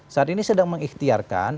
saat ini sedang mengikhtiarkan